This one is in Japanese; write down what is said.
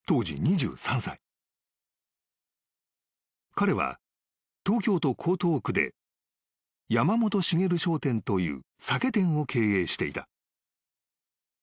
［彼は東京都江東区で山本茂商店という酒店を経営していた］